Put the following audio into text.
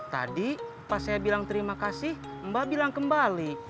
tadi pas saya bilang terima kasih mbak bilang kembali